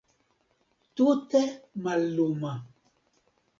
Tute malluma.